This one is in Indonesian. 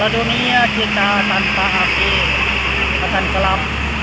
dunia kita tanpa api akan gelap